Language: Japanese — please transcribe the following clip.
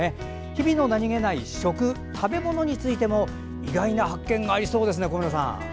日々の何気ない食食べ物についても意外な発見がありそうですね小村さん。